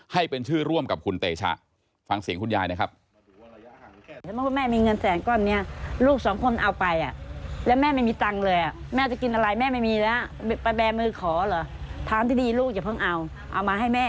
ให้เป็นชื่อร่วมกับคุณเตชะฟังเสียงคุณยายนะครับ